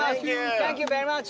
サンキューベリーマッチ。